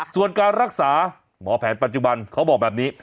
ส่วนการรักษาหมอแผนปัจจุบันเขาบอกแบบนี้